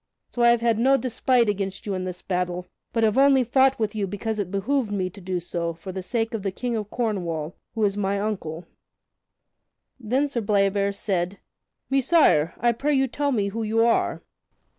So I have had no despite against you in this battle, but have only fought with you because it behooved me to do so for the sake of the King of Cornwall, who is my uncle." Then Sir Bleoberis said, "Messire, I pray you tell me who you are?"